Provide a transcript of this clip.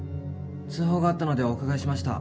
通報があったのでお伺いしました。